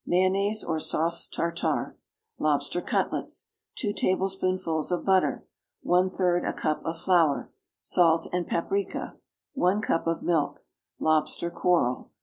Mayonnaise, or sauce tartare. Lobster cutlets. 2 tablespoonfuls of butter. 1/3 a cup of flour. Salt and paprica. 1 cup of milk. Lobster coral.